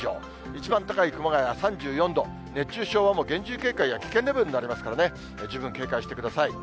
一番高い熊谷は３４度、熱中症はもう厳重警戒や危険レベルになりますからね、十分警戒してください。